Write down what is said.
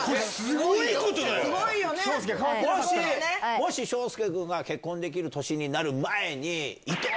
もし将介くんが結婚できる年になる前に。